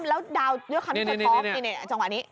แล้วดาวเลือกคำว่าจะท้องนี่จังหวะนี้